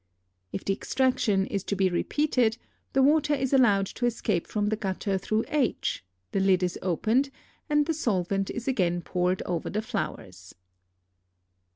If the extraction is to be repeated, the water is allowed to escape from the gutter through h, the lid is opened, and the solvent is again poured over the flowers.